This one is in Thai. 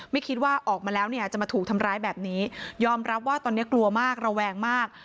ไม่คิดว่าออกมาแล้วเนี่ยจะมาถูกทำร้ายแบบนี้ยอมรับว่าตอนนี้กลัวมากระแวงมาก